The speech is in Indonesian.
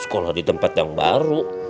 sekolah di tempat yang baru